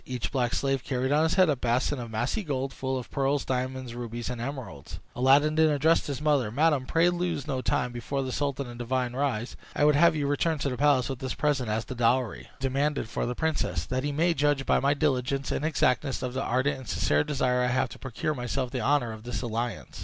Each black slave carried on his head a basin of massy gold, full of pearls, diamonds, rubies, and emeralds. Aladdin then addressed his mother; "Madam, pray lose no time; before the sultan and the divan rise, I would have you return to the palace with this present as the dowry demanded for the princess, that he may judge by my diligence and exactness of the ardent and sincere desire I have to procure myself the honor of this alliance."